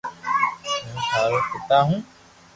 ھون ٿارو پيتا ھون